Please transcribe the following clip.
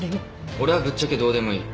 俺はぶっちゃけどうでもいい。